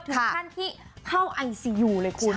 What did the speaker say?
ถึงขั้นที่เข้าไอซียูเลยคุณ